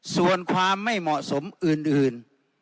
ส่วนความไม่เหมาะสมอื่น